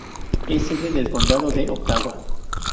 Es sede del condado de Ottawa.